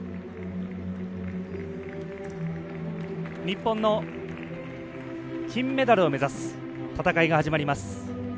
日本の金メダルを目指す戦いが始まります。